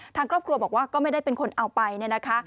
ทางครอบครัวบอกว่าก็ไม่ได้เป็นคนเอาไปเนี่ยนะคะ